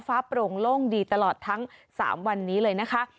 โปร่งโล่งดีตลอดทั้ง๓วันนี้เลยนะคะ